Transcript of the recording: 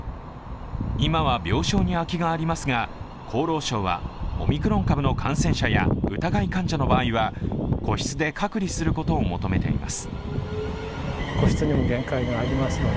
今は病床に空きがありますが厚労省はオミクロン株の感染者や疑い患者の場合は個室で隔離することを求めています。